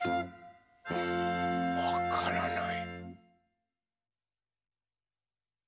わからない。